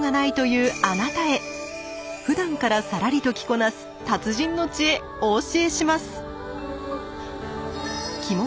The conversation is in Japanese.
ふだんからさらりと着こなす達人の知恵お教えします。